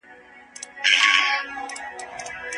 موږ باید په خپلو کادرونو باور ولرو.